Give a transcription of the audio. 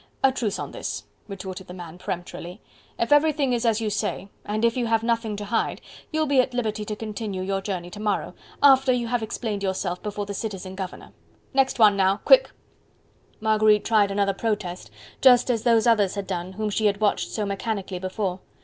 "A truce on this," retorted the man peremptorily. "If everything is as you say, and if you have nothing to hide, you'll be at liberty to continue your journey to morrow, after you have explained yourself before the citizen governor. Next one now, quick!" Marguerite tried another protest, just as those others had done, whom she had watched so mechanically before.